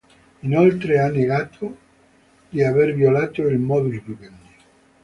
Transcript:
Inoltre, ha negato di aver violato il "Modus Vivendi".